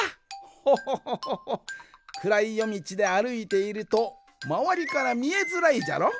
ホホホホホホ。くらいよみちであるいているとまわりからみえづらいじゃろ。